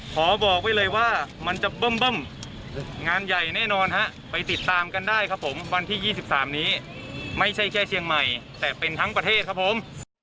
ขอบอกไว้เลยว่ามันจะเบิ้มงานใหญ่แน่นอนฮะไปติดตามกันได้ครับผมวันที่๒๓นี้ไม่ใช่แค่เชียงใหม่แต่เป็นทั้งประเทศครับผม